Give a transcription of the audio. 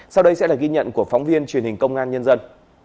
sau đây sẽ là ghi nhận của phóng viên truyền hình công an nhân dân